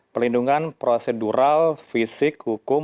perlindungan prosedural fisik hukum